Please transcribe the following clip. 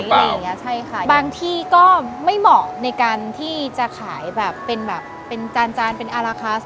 อะไรอย่างเงี้ยใช่ค่ะบางที่ก็ไม่เหมาะในการที่จะขายแบบเป็นแบบเป็นจานจานเป็นอาราคัส